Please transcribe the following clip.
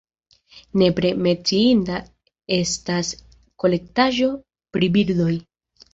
Nepre menciinda estas kolektaĵo pri birdoj.